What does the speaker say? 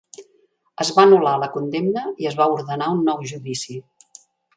Es va anul·lar la condemna i es va ordenar un nou judici.